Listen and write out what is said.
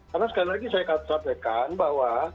karena sekali lagi saya katakan bahwa